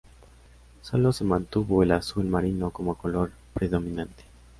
Sólo se mantuvo el azul marino como color predominante.